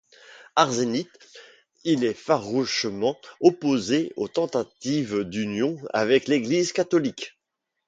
Arsénite, il est farouchement opposé aux tentatives d'union avec l'Église catholique.